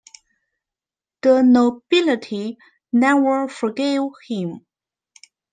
The nobility never forgave him.